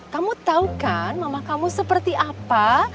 kamu tahu kan mama kamu seperti apa